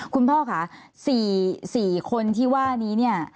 คุณพ่อค่ะ๔คนที่ว่านี้เนี่ย